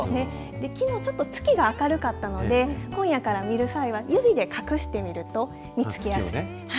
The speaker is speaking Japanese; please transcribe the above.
きのう、ちょっと月が明るかったので、今夜から見る際は、指で隠してみると見つけやすい。